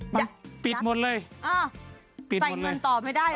ใส่เงินต่อไม่ได้เหรอ